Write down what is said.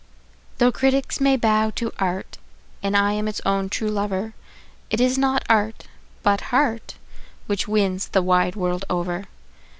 Though critics may bow to art, and I am its own true lover, It is not art, but heart, which wins the wide world over.